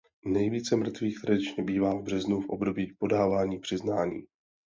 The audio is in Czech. Nejvíce mrtvých tradičně bývá v březnu v období podávání přiznání.